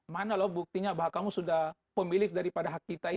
mana loh buktinya bahwa kamu sudah pemilik daripada hak kita ini